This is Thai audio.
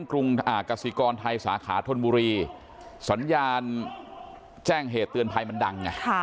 กรุงกสิกรไทยสาขาธนบุรีสัญญาณแจ้งเหตุเตือนภัยมันดังไง